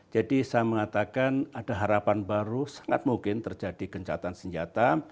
jadi saya mengatakan ada harapan baru sangat mungkin terjadi kencatan senjata